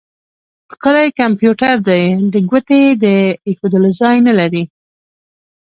ښکلی کمپيوټر دی؛ د ګوتې د اېښول ځای نه لري.